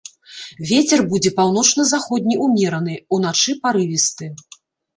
Вецер будзе паўночна-заходні ўмераны, уначы парывісты.